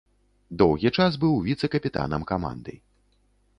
Доўгі час быў віцэ-капітанам каманды.